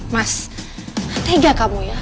mas tega kamu ya